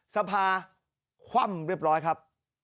สภาคว่ำเรียบร้อยครับ